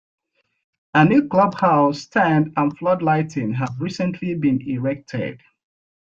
A new clubhouse, stand and floodlighting have recently been erected.